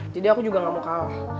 jadi aku juga gak mau kalah